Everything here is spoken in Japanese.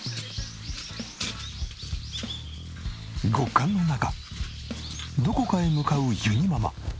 極寒の中どこかへ向かうゆにママ。